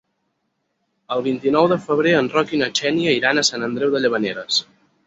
El vint-i-nou de febrer en Roc i na Xènia iran a Sant Andreu de Llavaneres.